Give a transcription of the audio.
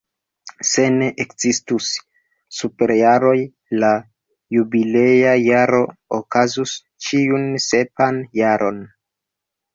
Se ne ekzistus superjaroj, la jubilea jaro okazus ĉiun sepan jaron.